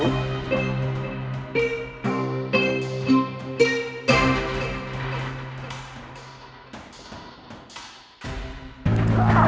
kalian sadar gak sih